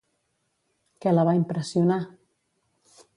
Què la va impressionar?